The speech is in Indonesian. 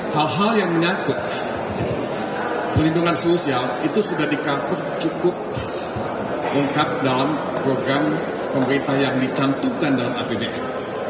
hal hal yang menyangkut perlindungan sosial itu sudah dicabut cukup lengkap dalam program pemerintah yang dicantumkan dalam apbn